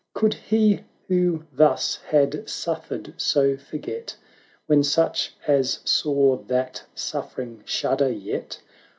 Could he who thus had suffered so for get, When such as saw that suffering shudder yet